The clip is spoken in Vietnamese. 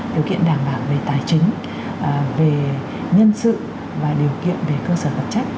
điều kiện đảm bảo về tài chính về nhân sự và điều kiện về cơ sở vật chất